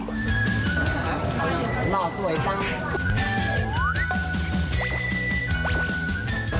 หล่อสวยจ้ะ